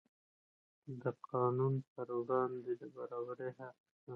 د قانون پر وړاندې د برابرۍ حق شته.